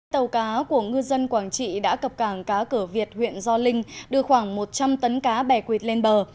tàu cá của ngư dân quảng trị đã cập cảng cá cửa việt huyện gio linh đưa khoảng một trăm linh tấn cá bè quạt lên bờ